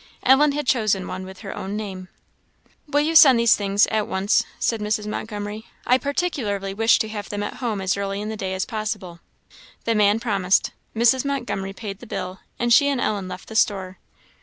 Ellen had chosen one with her own name. "Will you send these things at once?" said Mrs. Montgomery; "I particularly wish to have them at home as early in the day as possible." The man promised. Mrs. Montgomery paid the bill, and she and Ellen left the store.